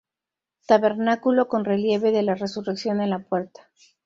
Tabernáculo con relieve de la Resurrección en la puerta.